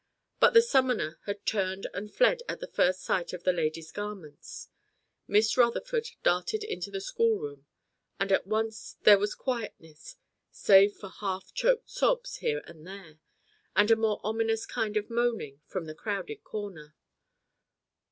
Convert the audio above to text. But the summoner had turned and fled at the first sight of the lady's garments. Miss Rutherford darted into the schoolroom, and at once there was quietness, save for half choked sobs here and there, and a more ominous kind of moaning from the crowded corner.